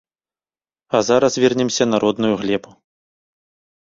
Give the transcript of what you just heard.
А зараз вернемся на родную глебу.